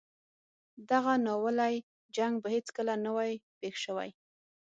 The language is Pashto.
دغه ناولی جنګ به هیڅکله نه وای پېښ شوی.